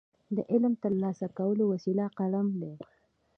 د علم ترلاسه کولو وسیله قلم دی.